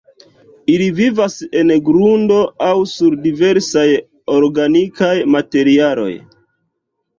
Ili vivas en grundo aŭ sur diversaj organikaj materialoj.